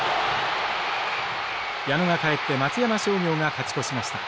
矢野が帰って松山商業が勝ち越しました。